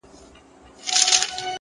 • که مېرويس دی, که اکبر, که مسجدي دی,